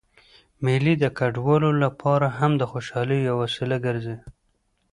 مېلې د کډوالو له پاره هم د خوشحالۍ یوه وسیله ګرځي.